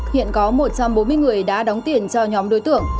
hiện có một trăm bốn mươi người đã đóng tiền cho nhóm đối tượng